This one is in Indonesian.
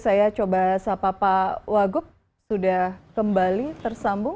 saya coba sapa pak wagub sudah kembali tersambung